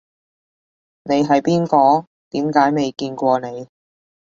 你係邊個？點解未見過你